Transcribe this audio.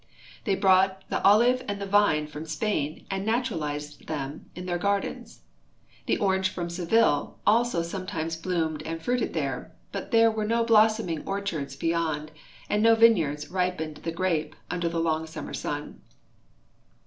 They brought the olive and the vine from Spain and naturalized them in their gardens. The orange from Seville also sometimes bloomed and fruited there, but there were no blossoming orchards be3mnd, and no vineyards ripened the grai>e under the long summer sun.